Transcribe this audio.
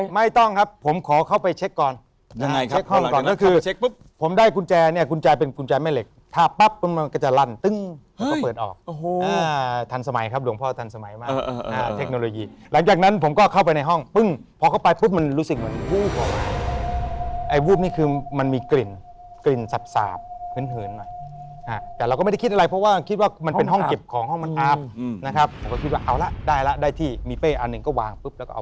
ไม่ต้องครับผมขอเข้าไปเช็คก่อนก็คือผมได้กุญแจเนี้ยกุญแจเป็นกุญแจแม่เหล็กถ้าปั๊บมันมันก็จะลั่นตึ้งแล้วก็เปิดออกอ่าทันสมัยครับหลวงพ่อทันสมัยมากอ่าเทคโนโลยีหลังจากนั้นผมก็เข้าไปในห้องปึ้งพอเข้าไปปุ๊บมันรู้สึกเหมือนวูบของอาหารไอ้วูบนี่คือมันมีกลิ่นกลิ่นสับสาบเห